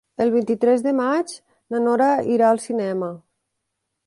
El vint-i-tres de maig na Nora irà al cinema.